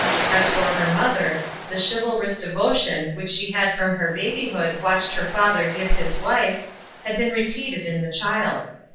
As for her mother, the chivalrous devotion which she had from her babyhood watched her father give to his wife, had been repeated in the child.